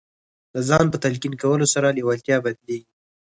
د ځان په تلقین کولو سره لېوالتیا بدلېږي